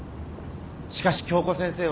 しかし今日子先生は。